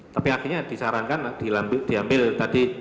tapi akhirnya disarankan diambil tadi